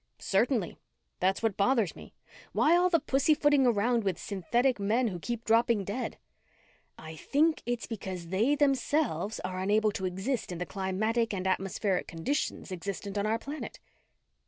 "Certainly. That's what bothers me. Why all the pussy footing around with synthetic men who keep dropping dead?" "I think it's because they themselves are unable to exist in the climatic and atmospheric conditions existent on our planet."